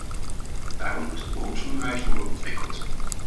Daarom moet het beroepsonderwijs worden ontwikkeld.